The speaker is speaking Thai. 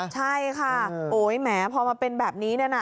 ใช่ค่ะโอ๊ยแหมพอมาเป็นแบบนี้เนี่ยนะ